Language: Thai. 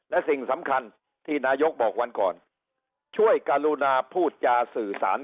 และสิ่งสำคัญที่นายกบอกวันก่อนช่วยกรุณาพูดจาสื่อสาร